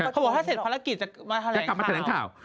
เขาบอกถ้าเสร็จภารกิจจะกลับมาแถลงข่าว